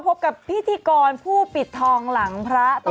ไม่เห็นจะเหงาเลยเนอะ